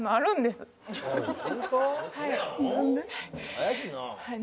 怪しいな。